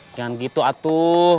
jangan gitu atu